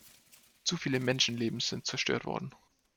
Zu viele Menschenleben sind zerstört worden.